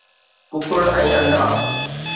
ڪڪڙ ۽ انڊا